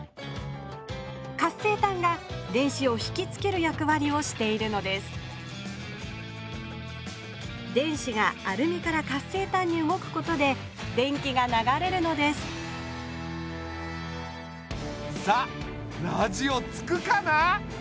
活性炭が電子をひきつけるやくわりをしているのです電子がアルミから活性炭に動くことで電気が流れるのですさあラジオつくかな？